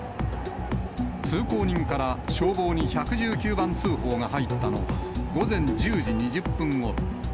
通行人から消防に１１９番通報が入ったのは、午前１０時２０分ごろ。